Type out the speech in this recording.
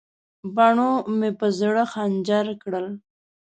باڼو مې په زړه خنجر کړل.